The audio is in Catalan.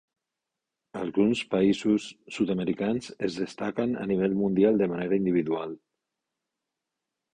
Alguns països sud-americans es destaquen a nivell mundial de manera individual.